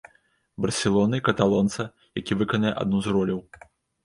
Барселоны, каталонца, які выканае адну з роляў.